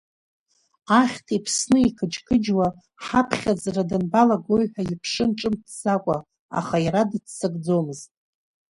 Ахьҭа иԥсны иқыџьқыџьуа, ҳаԥхьаӡара данбалагои ҳәа, иԥшын ҿымҭӡакәа, аха иара дыццакӡомызт.